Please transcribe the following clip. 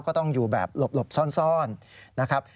ก็ต้องอยู่แบบหลบซ่อนนะครับ